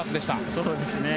そうですね。